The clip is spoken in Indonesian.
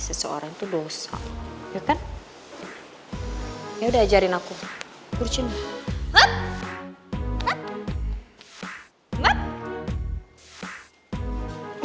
seseorang itu dosa ya kan ya udah ajarin aku cuma